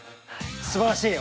すばらしいよ。